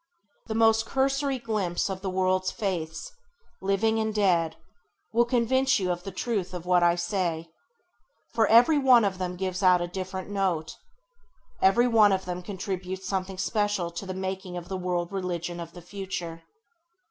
The most cursory glimpse of the world's faiths, living and dead, will convince you of the truth of what I say. For every one of them gives out a different note. Every one of them contributes something special to the making of the World Religion of the future.